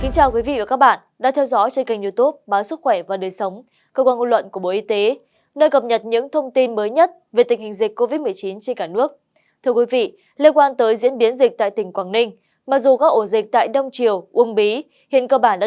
các bạn hãy đăng ký kênh để ủng hộ kênh của chúng mình nhé